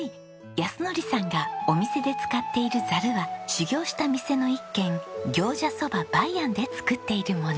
靖典さんがお店で使っているざるは修業した店の一軒行者そば梅庵で作っているもの。